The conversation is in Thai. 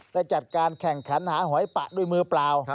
ได้จัดการแข่งขันหาหอยปะด้วยมือเปล่า